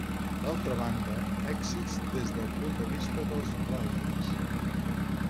D'altra banda, èxits des del punt de vista dels ral·lis.